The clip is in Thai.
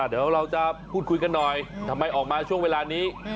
เดี๋ยวเราจะพูดคุยกันหน่อยทำไมออกมาช่วงเวลานี้